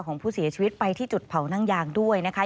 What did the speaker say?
ของผู้เสียชีวิตไปที่จุดเผานั่งยางด้วยนะคะ